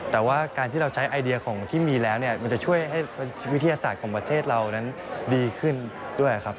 แต่ว่าการที่เราใช้ไอเดียของที่มีแล้วเนี่ยมันจะช่วยให้วิทยาศาสตร์ของประเทศเรานั้นดีขึ้นด้วยครับ